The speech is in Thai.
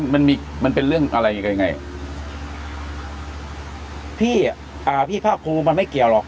มันมีมันเป็นเรื่องอะไรยังไงพี่อ่าพี่ภาคภูมิมันไม่เกี่ยวหรอก